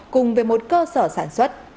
cùng với một cơ sở sản xuất